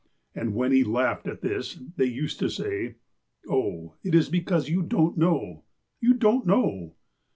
And when he laughed at this, they used to say :'' Oh, it is because you don't know, — you don't know."